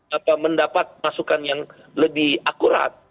saya sudah tidak bisa mendapat masukan yang lebih akurat